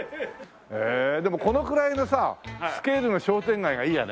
へえでもこのくらいのさスケールの商店街がいいやね。